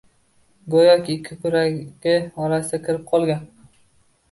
Go‘yoki ikki kuragi orasiga kirib qolgan.